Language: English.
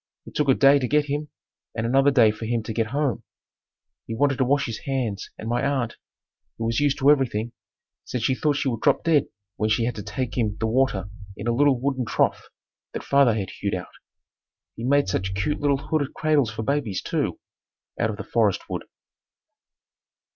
It took a day to get him and another day for him to get home. He wanted to wash his hands and my aunt, who was used to everything, said she thought she would drop dead when she had to take him the water in a little wooden trough that father had hewed out. He made such cute little hooded cradles for babies, too, out of the forest wood.